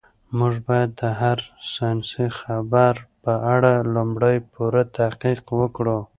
موږ باید د هر ساینسي خبر په اړه لومړی پوره تحقیق وکړو.